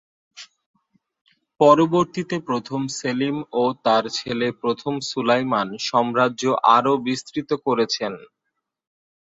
পরবর্তীতে প্রথম সেলিম ও তার ছেলে প্রথম সুলাইমান সাম্রাজ্য আরো বিস্তৃত করেছেন।